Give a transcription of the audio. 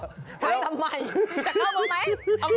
ใครทำใหม่จะเข้าบอกไหม